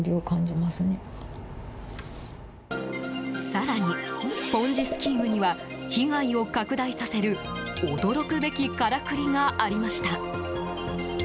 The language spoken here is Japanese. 更に、ポンジ・スキームには被害を拡大させる驚くべきからくりがありました。